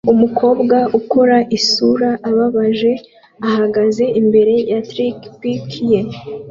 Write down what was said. Umukobwa ukora isura ibabaje ahagaze imbere ya trikipiki ye